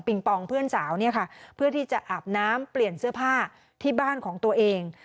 ปองเพื่อนสาวเนี่ยค่ะเพื่อที่จะอาบน้ำเปลี่ยนเสื้อผ้าที่บ้านของตัวเอง